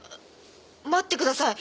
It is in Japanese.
待ってください！